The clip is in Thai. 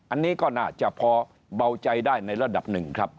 อันนี้ก็น่าจะพอเบาใจได้ในระดับหนึ่งครับ